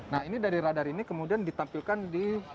nah ini dari radar ini kemudian ditampilkan di